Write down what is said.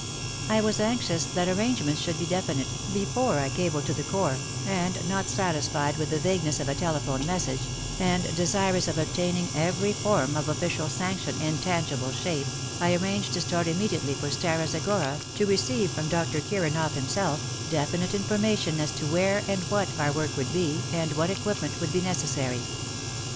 I was anxious that arrangements should be definite before I cabled to the Corps, and, not satisfied with the vagueness of a telephone message, and desirous of obtaining every form of official sanction in tangible shape, I arranged to start immediately for Stara Zagora to receive from Dr. Kiranoff himself, definite information as to where and what our work would be, and what equipment would be necessary.